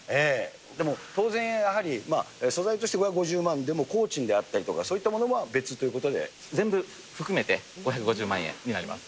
でも当然やはり、素材として５５０万であっても、工賃であったりとか、そういった全部含めて５５０万円になります。